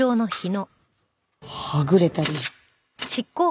はぐれたり。